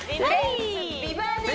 美バディ」